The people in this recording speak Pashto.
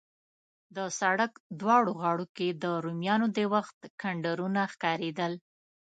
د سړک دواړو غاړو کې د رومیانو د وخت کنډرونه ښکارېدل.